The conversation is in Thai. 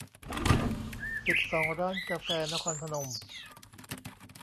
สิบสอง ร้านกาแฟนครพนม